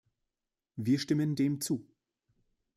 Wir stimmen dem zu.